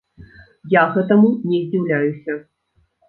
Я гэтаму не здзіўляюся.